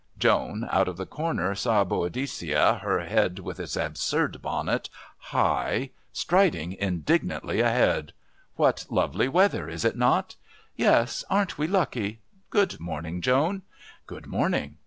Joan, out of the corner, saw Boadicea, her head with its absurd bonnet high, striding indignantly ahead. "What lovely weather, is it not?" "Yes, aren't we lucky? Good morning, Joan." "Good morning."